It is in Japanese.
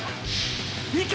いけ！！